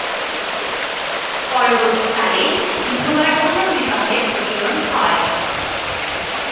পরবর্তী কালে বিধবার পুনর্বিবাহের প্রচলন হয়।